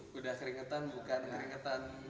sudah keringetan bukan keringetan